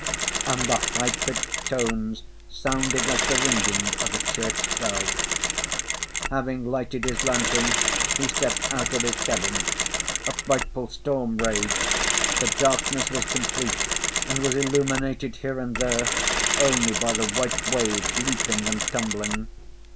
And the high pitched tones sounded like the ringing of a church bell. Having lighted his lantern, he stepped out of his cabin. A frightful storm raged. The darkness was complete and was illuminated here and there only by the white waves leaping and tumbling.